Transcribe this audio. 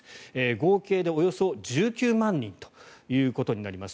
合計でおよそ１９万人ということになります。